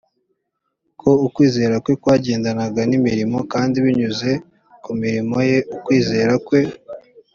ko ukwizera kwe kwagendanaga n imirimo kandi binyuze ku mirimo ye ukwizera kwe